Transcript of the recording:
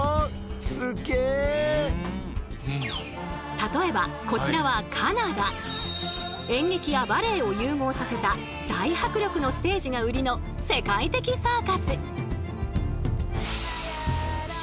例えばこちらは演劇やバレエを融合させた大迫力のステージが売りの世界的サーカス。